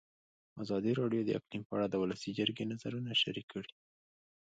ازادي راډیو د اقلیم په اړه د ولسي جرګې نظرونه شریک کړي.